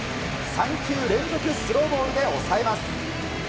３球連続スローボールで抑えます。